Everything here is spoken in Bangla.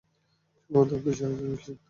সম্ভবত অফিসে আছে, অস্টিনে।